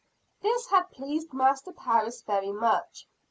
This had pleased Master Parris very much.